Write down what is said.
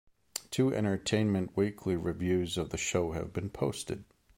Two "Entertainment Weekly" reviews of the show have been posted.